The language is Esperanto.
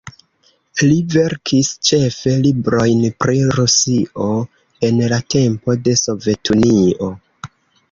Li verkis ĉefe librojn pri Rusio en la tempo de Sovetunio.